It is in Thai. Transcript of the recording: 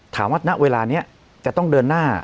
ณเวลานี้จะต้องเดินหน้า